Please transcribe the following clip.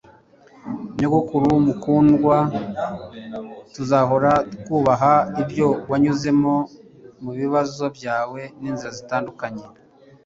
nyogokuru mukundwa, tuzahora twubaha ibyo wanyuzemo mubibazo byawe n'inzira zitandukanye